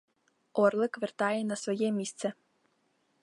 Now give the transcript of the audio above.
Орлик вертає на своє місце.